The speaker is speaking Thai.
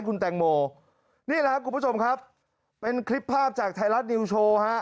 คุณแตงโมนี่แหละครับคุณผู้ชมครับเป็นคลิปภาพจากไทยรัฐนิวโชว์ฮะ